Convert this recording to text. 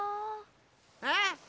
えっ？